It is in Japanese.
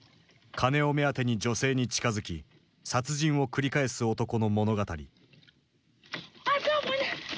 金を目当てに女性に近づき殺人を繰り返す男の物語。